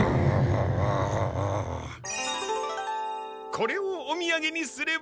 これをおみやげにすれば。